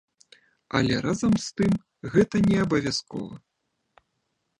Але разам з тым гэта неабавязкова.